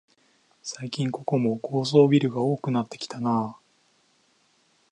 最近ここも高層ビルが多くなってきたなあ